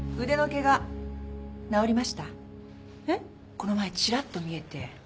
この前ちらっと見えて。